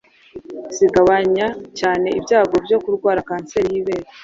zigabanya cyane ibyago byo kurwara kanseri y’ibere,